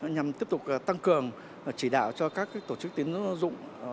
nhằm tiếp tục tăng cường chỉ đạo cho các tổ chức tiến dụng